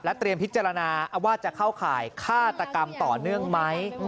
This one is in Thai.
เตรียมพิจารณาว่าจะเข้าข่ายฆาตกรรมต่อเนื่องไหม